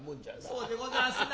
そうでござんすな。